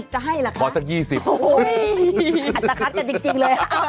จะให้แหละคะพอสักยี่สิบโอ้ยอันตราคัดกันจริงจริงเลยเอาเอา